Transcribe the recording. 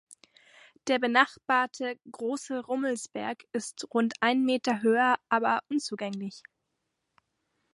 Der benachbarte "Große Rummelsberg" ist rund einen Meter höher aber unzugänglich.